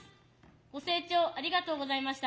ご清聴ありがとうございました。